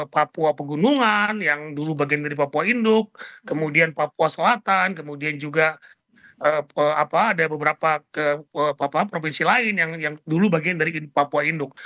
papua pegunungan yang dulu bagian dari papua induk kemudian papua selatan kemudian juga ada beberapa provinsi lain yang dulu bagian dari papua induk